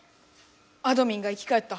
あどミンが生きかえった！